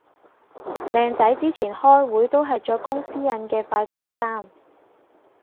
靚仔之前開會都係着公司印嘅快乾衫